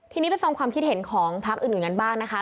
ทีนี้ไปฟังความคิดเห็นของพักอื่นกันบ้างนะคะ